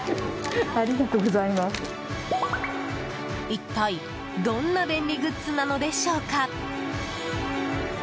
一体どんな便利グッズなのでしょうか？